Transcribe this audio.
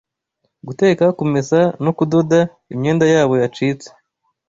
Guteka, kumesa no kudoda imyenda yabo yacitse